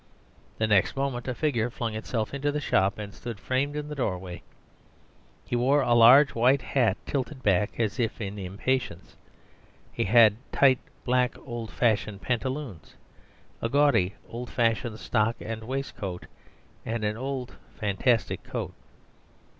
The next moment a figure flung itself into the shop and stood framed in the doorway. He wore a large white hat tilted back as if in impatience; he had tight black old fashioned pantaloons, a gaudy old fashioned stock and waistcoat, and an old fantastic coat.